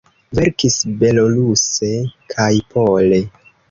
Verkis beloruse kaj pole.